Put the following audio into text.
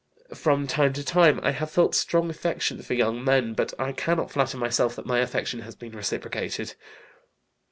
From time to time I have felt strong affection for young men, but I cannot flatter myself that my affection has been reciprocated.